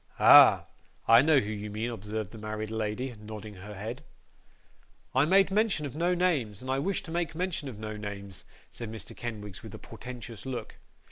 'Ah! I know who you mean,' observed the married lady, nodding her head. 'I made mention of no names, and I wish to make mention of no names,' said Mr. Kenwigs, with a portentous look.